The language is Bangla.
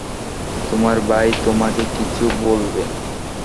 তোমার ভাই তোমাকে কিছু বলবে।